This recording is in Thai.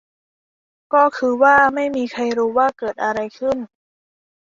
ก็คือว่า ไม่มีใครรู้ว่าเกิดอะไรขึ้น